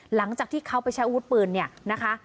หลังจากที่เขาไปใช้อาวุธปืนเนี่ยนะคะ